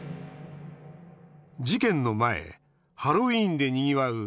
事件の前ハロウィーンでにぎわう